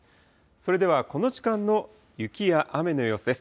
それでは、この時間の雪や雨の様子です。